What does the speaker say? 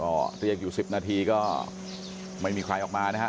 ก็เรียกอยู่๑๐นาทีก็ไม่มีใครออกมานะฮะ